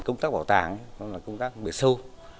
công tác bảo tàng nó là công tác bởi sâu